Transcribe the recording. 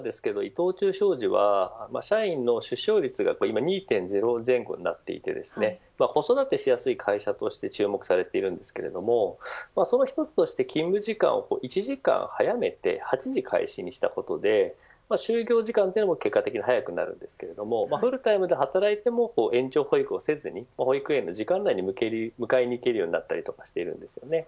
例えばですけど伊藤忠商事は社員の出生率が２．０前後になっていて子育てしやすい会社として注目されているんですけれどもその一つとして勤務時間を１時間早めて８時開始にしたことで就業時間も結果的に早くなるんですけれどもフルタイムで働いても延長保育をせずに、保育園の時間内に迎えに行けるようになったりとかしているんです。